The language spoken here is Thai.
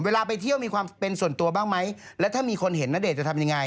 ไปเที่ยวมีความเป็นส่วนตัวบ้างไหมแล้วถ้ามีคนเห็นณเดชน์จะทำยังไง